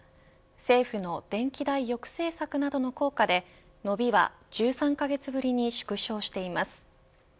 政府の電気代抑制策などの効果で伸びは１３カ月ぶりに縮小しています。